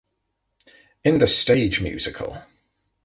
In the stage musical.